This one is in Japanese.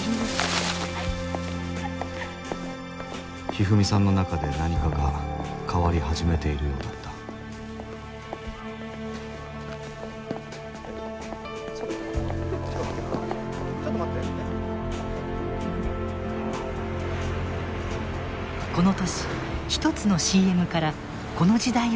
ひふみさんの中で何かが変わり始めているようだったこの年一つのＣＭからこの時代を象徴する流行語が生まれた。